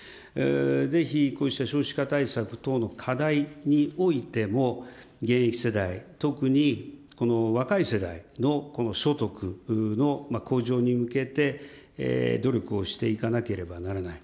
ぜひこうした少子化対策等の課題においても、現役世代、特に若い世代の所得の向上に向けて、努力をしていかなければならない。